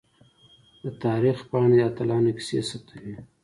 د تاریخ پاڼې د اتلانو کیسې ثبتوي.